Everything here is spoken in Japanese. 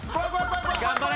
頑張れ！